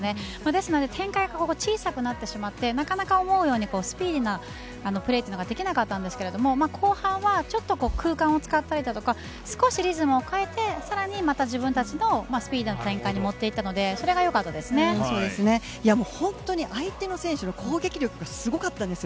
ですので展開が小さくなってしまってなかなか思うようにスピーディーなプレーができなかったんですがちょっと後半は空間を使ったり少しリズムを変えて更にまた自分たちのスピーディーな展開に持っていったので本当に相手の選手の攻撃力がすごかったんです。